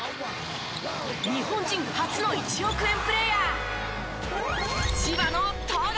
日本人初の１億円プレーヤー。